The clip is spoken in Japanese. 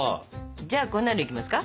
じゃあ粉類いきますか。